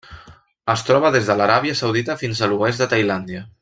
Es troba des de l'Aràbia Saudita fins a l'oest de Tailàndia.